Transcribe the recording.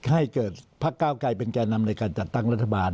ให้เกิดพักเก้าไกรเป็นแก่นำในการจัดตั้งรัฐบาล